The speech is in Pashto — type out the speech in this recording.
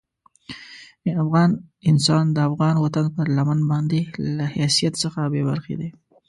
افغان انسان د افغان وطن پر لمن باندې له حیثیت څخه بې برخې دي.